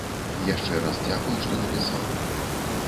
Яшчэ раз дзякуй, што напісаў.